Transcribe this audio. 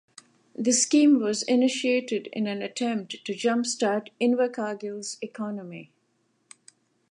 The scheme was initiated in an attempt to jumpstart Invercargill's economy.